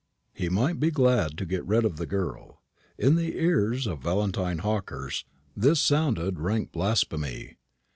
"He might be glad to get rid of the girl." In the ears of Valentine Hawkehurst this sounded rank blasphemy.